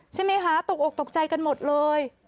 ใช่ไหมคะตกอกตกใจกันหมดเลย